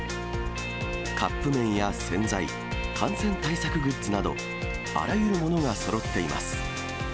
カップ麺や洗剤、感染対策グッズなど、あらゆるものがそろっています。